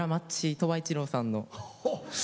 鳥羽一郎さんも。